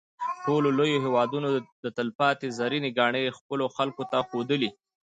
ټولو لویو هېوادونو د طلاتپې زرینې ګاڼې خپلو خلکو ته ښودلې.